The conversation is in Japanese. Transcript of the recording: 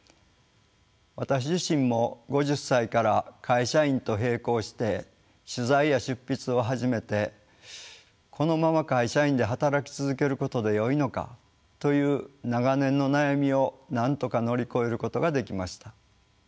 私自身も５０歳から会社員と並行して取材や執筆を始めてこのまま会社員で働き続けることでよいのかという長年の悩みをなんとか乗り越えることができました。